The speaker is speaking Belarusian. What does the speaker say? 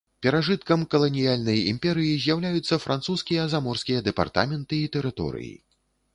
Перажыткам каланіяльнай імперыі з'яўляюцца французскія заморскія дэпартаменты і тэрыторыі.